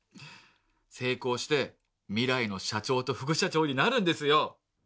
成功して未来の社長と副社長になるんですよ。